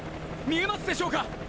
見えますでしょうか！？